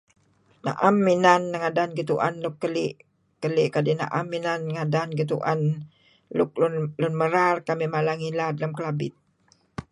Naem inan ngadan gituen nuk kali' kadi'naem inan ngadan gituen luk lun merar kamih mala ngilad lam Kelabit.